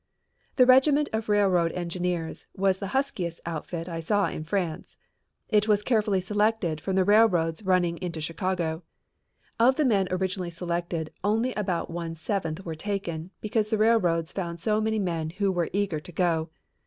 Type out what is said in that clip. This regiment of railroad engineers was the huskiest outfit I saw in France. It was carefully selected from the railroads running into Chicago. Of the men originally selected only about one seventh were taken because the railroads found so many men who were eager to go.